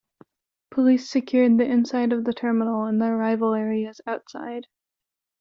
Police secured the inside of the terminal and the arrival areas outside.